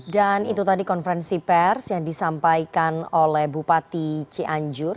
dan itu tadi konferensi pers yang disampaikan oleh bupati cianjur